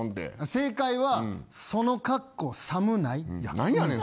正解はその格好寒ないや。